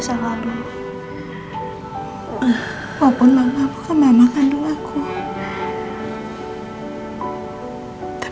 aku udah buatin teh nama minumnya